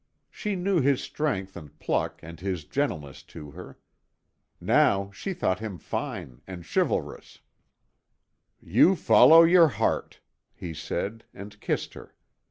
She knew his strength and pluck and his gentleness to her. Now she thought him fine and chivalrous. "You follow your heart," he said and kissed her.